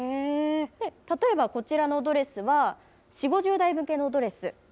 例えばこちらのドレスは、４、５０代向けのドレス。